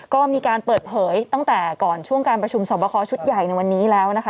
ก็มีการเปิดเผยตั้งแต่ก่อนช่วงการประชุมสอบคอชุดใหญ่ในวันนี้แล้วนะคะ